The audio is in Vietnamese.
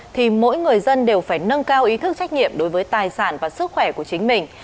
thì mỗi người dân đều phải nâng cao ý thức trách nhiệm đối với tài sản và sức khỏe của chính mình